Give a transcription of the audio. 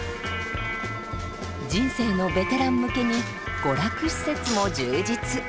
人生のベテラン向けに娯楽施設も充実。